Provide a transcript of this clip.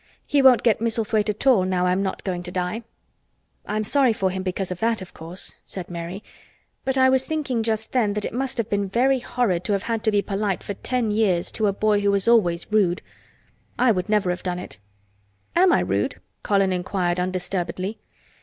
"He won't get Misselthwaite at all now I'm not going to die." "I'm sorry for him because of that, of course," said Mary, "but I was thinking just then that it must have been very horrid to have had to be polite for ten years to a boy who was always rude. I would never have done it." "Am I rude?" Colin inquired undisturbedly.